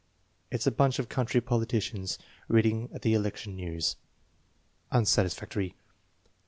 "It's a bunch of country politicians reading the election news." Unsatisfactory.